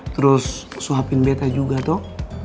terus suapin beta juga toh